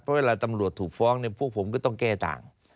เพราะเวลาตำรวจถูกฟ้องพวกผมก็ต้องแก้ต่าง